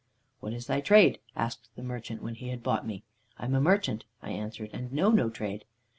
"'What is thy trade?' asked the merchant when he had bought me. "'I am a merchant,' I answered, 'and know no trade.'